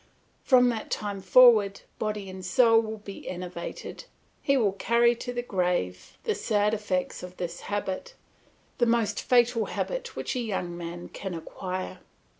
From that time forward, body and soul will be enervated; he will carry to the grave the sad effects of this habit, the most fatal habit which a young man can acquire.